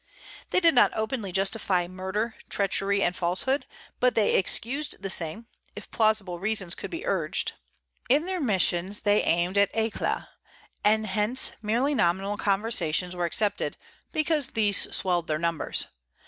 They did not openly justify murder, treachery, and falsehood, but they excused the same, if plausible reasons could be urged. In their missions they aimed at éclat; and hence merely nominal conversions were accepted, because these swelled their numbers.